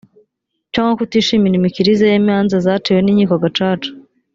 cyangwa kutishimira imikirize y imanza zaciwe n inkiko gacaca